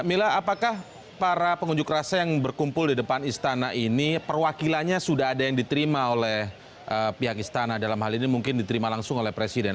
mila apakah para pengunjuk rasa yang berkumpul di depan istana ini perwakilannya sudah ada yang diterima oleh pihak istana dalam hal ini mungkin diterima langsung oleh presiden